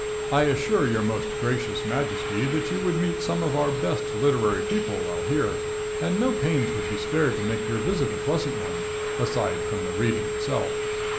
I assure your most gracious majesty that you would meet some of our best literary people while here, and no pains would be spared to make your visit a pleasant one, aside from the reading itself.